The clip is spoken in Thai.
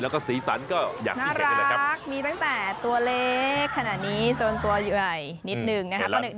แล้วก็สีสันก็อย่างที่เห็นนี่แหละครับมีตั้งแต่ตัวเล็กขนาดนี้จนตัวใหญ่นิดนึงนะคะ